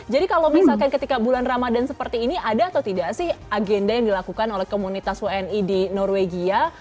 jadi kalau misalkan ketika bulan ramadhan seperti ini ada atau tidak sih agenda yang dilakukan oleh komunitas wni di norwegia